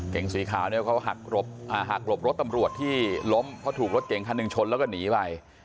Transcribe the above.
สีขาวเนี่ยเขาหักหลบรถตำรวจที่ล้มเพราะถูกรถเก่งคันหนึ่งชนแล้วก็หนีไป